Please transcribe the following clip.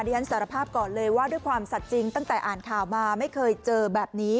ฉันสารภาพก่อนเลยว่าด้วยความสัดจริงตั้งแต่อ่านข่าวมาไม่เคยเจอแบบนี้